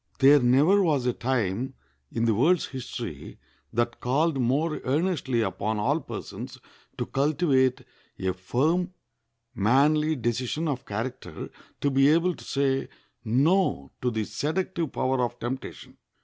There never was a time in the world's history that called more earnestly upon all persons to cultivate a firm, manly decision of character, to be able to say No to the seductive power of temptation.